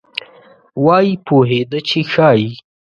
وایي پوهېده چې ښایي.